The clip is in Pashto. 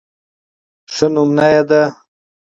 ښه نمونه يې د